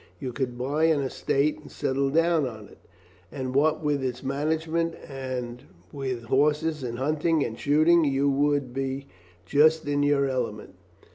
You could buy an estate and settle down on it, and what with its management, and with horses and hunting and shooting, you would be just in your element."